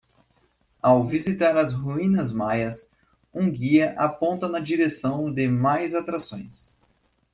Ao visitar as ruínas maias, um guia aponta na direção de mais atrações